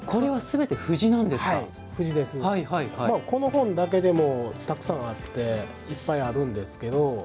この本だけでも、たくさんあっていっぱいあるんですけど。